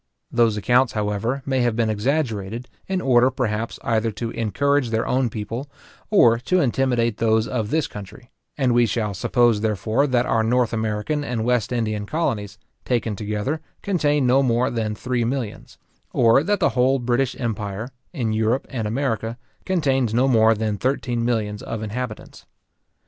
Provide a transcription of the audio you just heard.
Those accounts, however, may have been exaggerated, in order, perhaps, either to encourage their own people, or to intimidate those of this country; and we shall suppose, therefore, that our North American and West Indian colonies, taken together, contain no more than three millions; or that the whole British empire, in Europe and America, contains no more than thirteen millions of inhabitants.